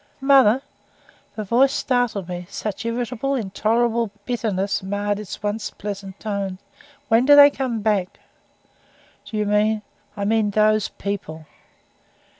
"Mother," the voice startled me, such irritable, intolerable bitterness marred its once pleasant tones "when do they come back?" "Do you mean " "I mean those people."